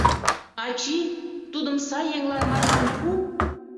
Ачий, тудым сай еҥлан марлан пу.